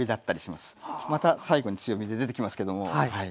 また最後に強火出てきますけどもはい。